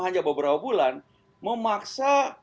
hanya beberapa bulan memaksa